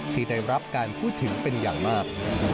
ที่ได้รับการพูดถึงเป็นอย่างมาก